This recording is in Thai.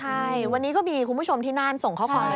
ใช่วันนี้ก็มีคุณผู้ชมที่น่านส่งข้อความ